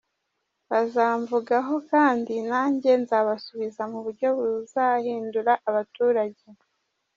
Bazamvugaho kandi nanjye nzabasubiza mu buryo buzahindura abaturage.”